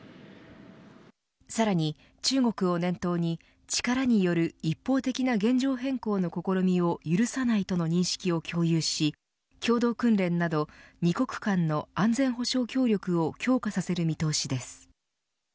さらに中国を念頭に力による一方的な現状変更の試みを許さないとの認識を共有し共同訓練など２国間の安全保障協力を強化させる見通しです。